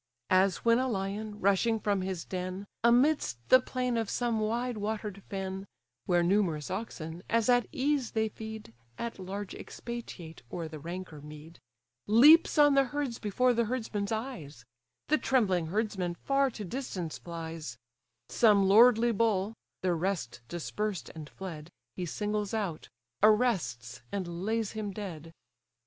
As when a lion, rushing from his den, Amidst the plain of some wide water'd fen, (Where numerous oxen, as at ease they feed, At large expatiate o'er the ranker mead) Leaps on the herds before the herdsman's eyes; The trembling herdsman far to distance flies; Some lordly bull (the rest dispersed and fled) He singles out; arrests, and lays him dead.